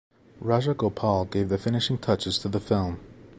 Rajagopal gave the finishing touches to the film.